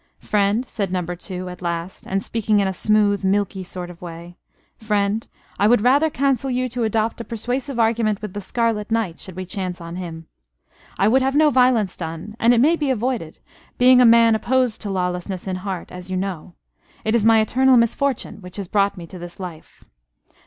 "Friend," said Number Two, at last, and speaking in a smooth, milky sort of way, "friend, I would rather counsel you to adopt a persuasive argument with the Scarlet Knight, should we chance on him. I would have no violence done, an it may be avoided, being a man opposed to lawlessness in heart, as you know. It is my eternal misfortune which has brought me to this life."